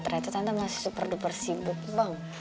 ternyata masih super duper sibuk bang